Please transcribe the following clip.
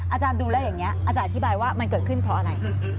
อาจารย์ดูแล้วอย่างนี้อาจารย์อธิบายว่ามันเกิดขึ้นเพราะอะไร